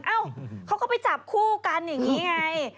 เอ้าเขาก็ไปจับคู่กันอย่างนี้ไง